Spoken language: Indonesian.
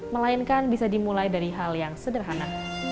melainkan bisa dimulai dari hal yang sederhana